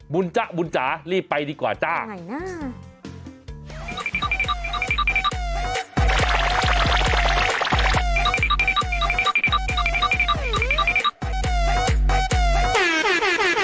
บุญจ๊ะบุญจ๋ารีบไปดีกว่าจ้าทำไมน่ะ